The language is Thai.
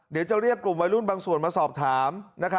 เดี๋ยวจะเรียกกลุ่มวัยรุ่นบางส่วนมาสอบถาม